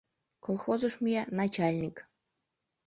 Колхозыш мия — начальник.